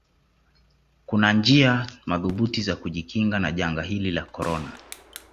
kunanjia madhubuti za kujikinga na janga hili la korona